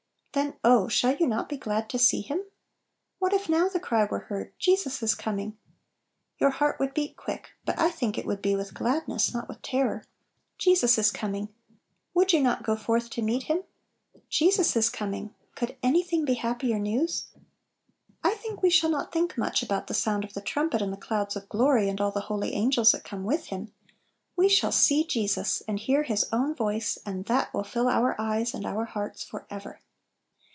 Then, oh! shall you not be glad to see Him ? What if now the cry were heard, " Jesus is coming !" Your heart would beat quick, but I think it would Little Pillows. 65 be with gladness, not with terror. Je sus is coming! Would you not go forth to meet Him? Jesus is coming! Could any thing be happier news? I think we shall not think much about the sound of the trumpet, and the clouds of glory, and all the holy an gels that come with Him; we shall "see Jesus," and hear His own voice, and that will fill our eyes and our hearts forever.